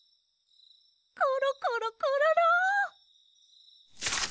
コロコロコロロ！